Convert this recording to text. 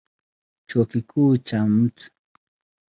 Chuo Kikuu cha Mt.